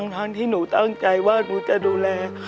ทั้งที่หนูตั้งใจว่าหนูจะดูแล